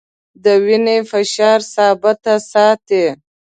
د وینې فشار ثابت ساتي.